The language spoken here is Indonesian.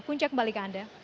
punca kembali ke anda